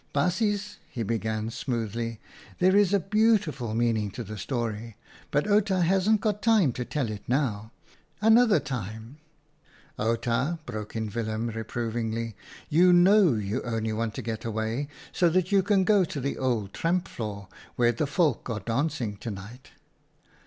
" Baasjes," he began, smoothly, " there is a beautiful meaning to the story, but Outa hasn't got time to tell it now. Another time "" Outa," broke in Willem, reprovingly, M you know you only want to get away so that you can go to the old tramp floor, where the volk are dancing to night."